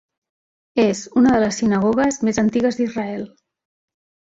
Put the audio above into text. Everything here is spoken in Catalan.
És una de les sinagogues més antigues d'Israel.